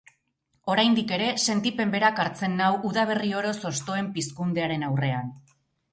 Oraindik ere sentipen berak hartzen nau udaberri oroz hostoen pizkundearen aurrean.